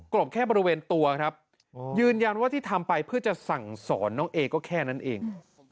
บแค่บริเวณตัวครับยืนยันว่าที่ทำไปเพื่อจะสั่งสอนน้องเอก็แค่นั้นเอง